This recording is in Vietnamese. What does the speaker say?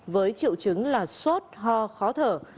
với triệu chứng là sốt ho khó thở